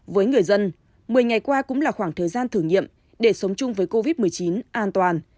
với người dân một mươi ngày qua cũng là khoảng thời gian thử nghiệm để sống chung với covid một mươi chín an toàn